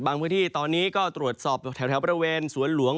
พื้นที่ตอนนี้ก็ตรวจสอบแถวบริเวณสวนหลวง